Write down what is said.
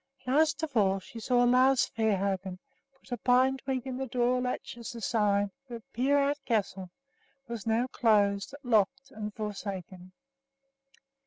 Last of all she saw Lars Svehaugen put a pine twig in the door latch as a sign that Peerout Castle was now closed, locked, and forsaken.